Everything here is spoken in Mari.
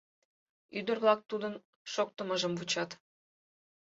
Ӱдыр-влак тудын шоктымыжым вучат.